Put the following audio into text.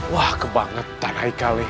wah kebangetan haikal nih